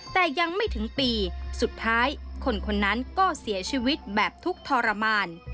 แต่ยังไม่ถึงปีสุดท้ายคนคนนั้นก็เสียชีวิตแบบทุกข์ทรมาน